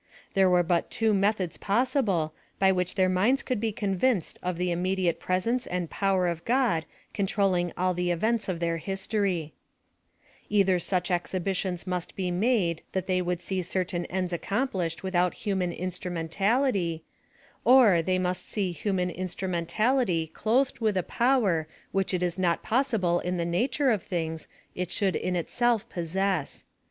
There were but two methods possible, by which their minds could be convinced of the immediate presence and power of God controling all the events of their histor}\ Either such exhibitions must be made that they would see certain ends ac complished without human instrumentality ; or, they must see human instrumentality clothed with a power which it is not pos sible in the nature of things, it should in itse.lf possess.